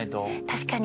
確かに。